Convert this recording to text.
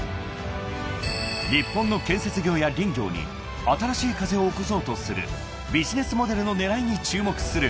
［日本の建設業や林業に新しい風を起こそうとするビジネスモデルの狙いに注目する］